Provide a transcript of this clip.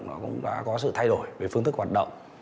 nó cũng đã có sự thay đổi về phương thức hoạt động